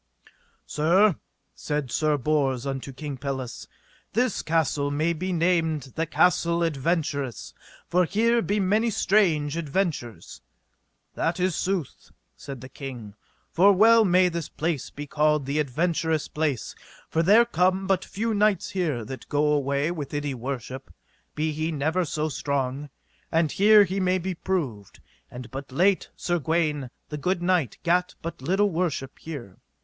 Sir, said Sir Bors unto King Pelles, this castle may be named the Castle Adventurous, for here be many strange adventures. That is sooth, said the king, for well may this place be called the adventures place, for there come but few knights here that go away with any worship; be he never so strong, here he may be proved; and but late Sir Gawaine, the good knight, gat but little worship here.